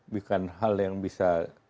bukan hal yang bisa